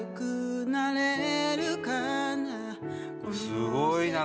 すごいな。